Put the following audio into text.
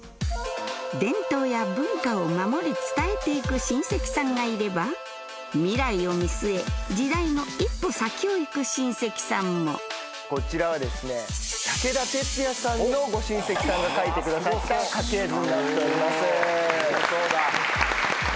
伝統や文化を守り伝えて行く親戚さんがいれば未来を見据え時代の一歩先を行く親戚さんもこちらは武田鉄矢さんのご親戚さんが描いてくださった家系図になっております。